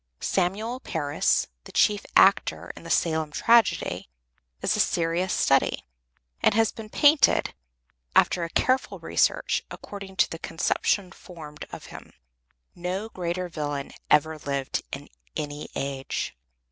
Samuel Parris, the chief actor in the Salem tragedy, is a serious study, and has been painted, after a careful research, according to the conception formed of him. No greater villain ever lived in any age.